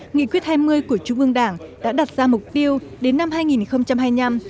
nghị quyết hai mươi của trung ương đảng đã đặt ra mục tiêu đến năm hai nghìn hai mươi năm